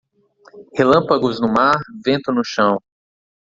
Relâmpagos no mar, vento no chão.